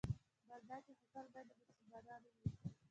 بل دا چې هوټل باید د مسلمانانو وي.